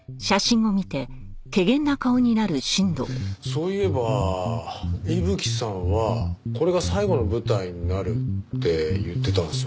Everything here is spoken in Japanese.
そういえば伊吹さんは「これが最後の舞台になる」って言ってたんですよね。